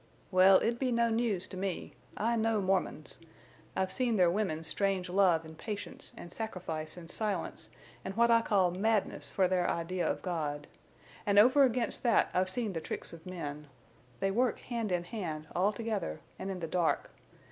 "Well, it'd be no news to me. I know Mormons. I've seen their women's strange love en' patience en' sacrifice an' silence en' whet I call madness for their idea of God. An' over against that I've seen the tricks of men. They work hand in hand, all together, an' in the dark.